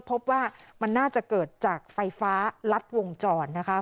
พบว่ามันน่าจะเกิดจากไฟฟ้ารัดวงจรนะคะ